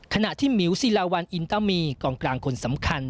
ขณะที่หมิวศิลาวันอินตามีกองกลางคนสำคัญ